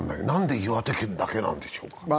なんで岩手県だけなんでしょうか。